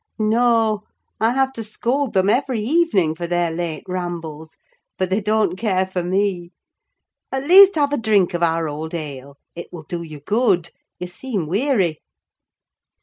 "No—I have to scold them every evening for their late rambles: but they don't care for me. At least, have a drink of our old ale; it will do you good: you seem weary."